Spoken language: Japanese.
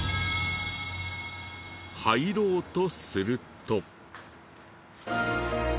入ろうとすると。